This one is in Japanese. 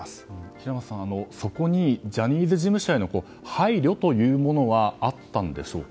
平松さん、そこにジャニーズ事務所への配慮というものはあったんでしょうか？